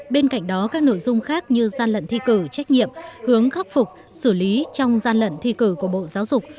bên cạnh đó các nội dung khác như gian lận thi cử trách nhiệm hướng khắc phục xử lý trong gian lận thi cử của bộ giáo dục